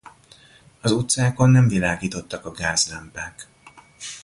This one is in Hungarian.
Az utcákon nem világítottak a gázlámpák.